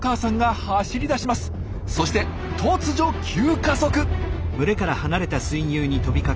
そして突如急加速！